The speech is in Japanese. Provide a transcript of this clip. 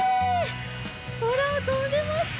そらをとんでますね！